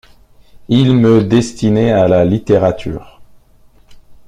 Il me destinait à la littérature.